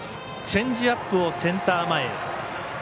チェンジアップをセンター前。